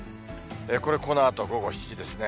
これ、このあと午後７時ですね。